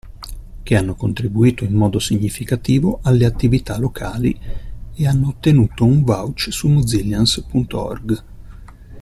Che hanno contribuito in modo significativo alle attività Locali e hanno ottenuto un vouch su mozillians.org.